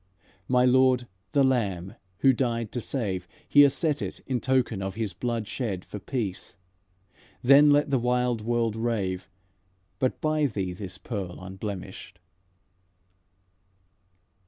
My Lord, the Lamb Who died to save, Here set it in token of His blood shed For peace. Then let the wild world rave, But buy thee this pearl unblemishèd."